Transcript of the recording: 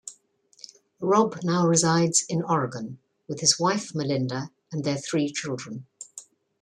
Robb now resides in Oregon, with his wife Melinda and their three children.